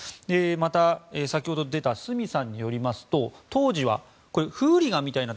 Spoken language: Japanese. また先ほど出た角さんによりますと当時は、フーリガンみたいな。